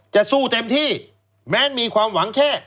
จะสู้เต็มที่แม้มีความหวังแค่